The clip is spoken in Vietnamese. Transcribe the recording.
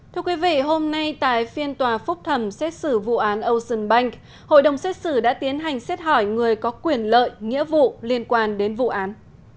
thưa quý vị hôm nay tại phiên tòa phúc thẩm xét xử vụ án ocean bank hội đồng xét xử đã tiến hành xét hỏi người có quyền lợi nghĩa vụ liên quan đến vụ án